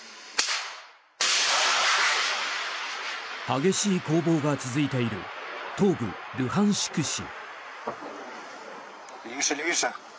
激しい攻防が続いている東部ルハンシク州。